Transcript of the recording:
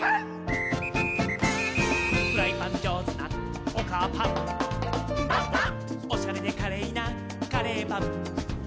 「フライパンじょうずなおかあパン」「」「おしゃれでかれいなカレーパン」「」